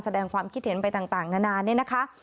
แสดงความคิดเห็นไปต่างนานาเนี่ยนะคะ